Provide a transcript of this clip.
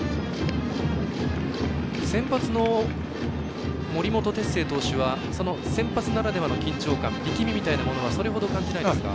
先発の森本哲星選手は先発ならではの緊張感力みみたいなものはそれほど感じないですか。